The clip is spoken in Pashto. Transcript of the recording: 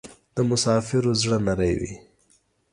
د مسافرو زړه نری وی